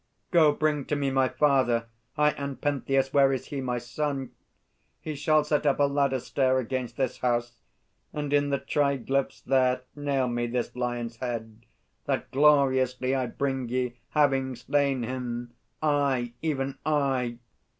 ... Go, bring to me My father! ... Aye, and Pentheus, where is he, My son? He shall set up a ladder stair Against this house, and in the triglyphs there Nail me this lion's head, that gloriously I bring ye, having slain him I, even I!